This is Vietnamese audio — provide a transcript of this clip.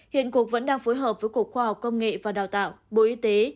hiện cục vẫn đang phối hợp với cục khoa học công nghệ và đào tạo bộ y tế